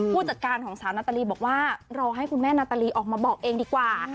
ผู้จัดการของสาวนาตาลีบอกว่ารอให้คุณแม่นาตาลีออกมาบอกเองดีกว่า